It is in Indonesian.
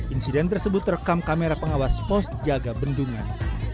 insiden tersebut terekam kamera pengawas pos jaga bendungan